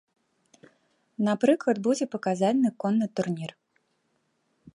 Напрыклад, будзе паказальны конны турнір.